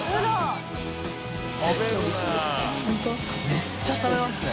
めっちゃ食べますね。